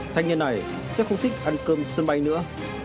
thanh niên này chắc không thích ăn cơm sân bay nữa